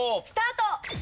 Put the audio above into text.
スタート！